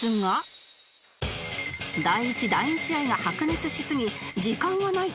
第１第２試合が白熱しすぎ時間がないため